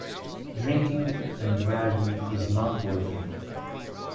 Drinking and driving is not worth it.